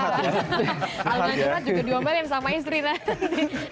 alunan curhat juga diombolein sama istri nanti